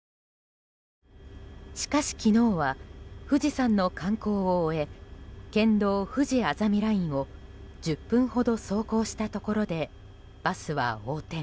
しかし昨日は富士山の観光を終え県道ふじあざみラインを１０分ほど走行したところでバスは横転。